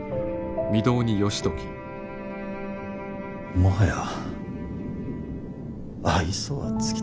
もはや愛想は尽きた。